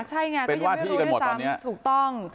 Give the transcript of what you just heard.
ใช่ไงก็ยังไม่รู้ด้วยซ้ำถูกต้อง